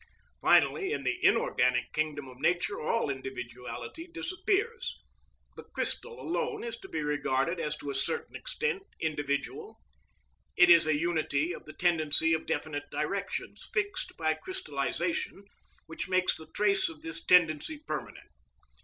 Finally, in the inorganic kingdom of nature all individuality disappears. The crystal alone is to be regarded as to a certain extent individual. It is a unity of the tendency in definite directions, fixed by crystallisation, which makes the trace of this tendency permanent.